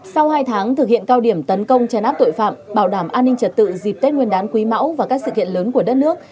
sau hai tháng thực hiện cao điểm tấn công chấn áp tội phạm bảo đảm an ninh trật tự dịp tết nguyên đán quý máu và các sự kiện lớn của đất nước